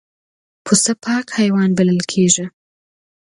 پسه پاک حیوان بلل کېږي.